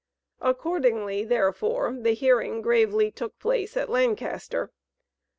Accordingly, therefore, the hearing gravely took place at Lancaster.